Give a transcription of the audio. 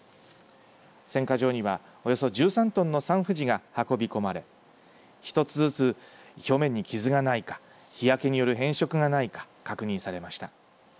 選果場にはおよそ１３トンのサンふじが運び込まれ一つずつ表面に傷がないか日焼けによる変色がないか確認されました。